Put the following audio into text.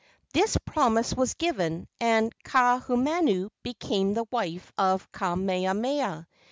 This promise was given, and Kaahumanu became the wife of Kamehameha.